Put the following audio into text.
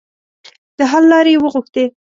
د حل لارې یې وغوښتې.